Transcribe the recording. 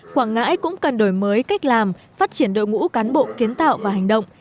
quảng ngãi cũng cần đổi mới cách làm phát triển đội ngũ cán bộ kiến tạo và hành động